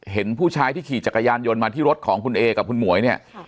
เห็นผู้ชายที่ขี่จักรยานยนต์มาที่รถของคุณเอกับคุณหมวยเนี่ย